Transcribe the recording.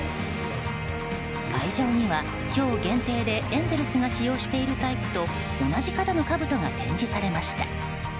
会場には今日限定でエンゼルスが使用しているタイプと同じ型のかぶとが展示されました。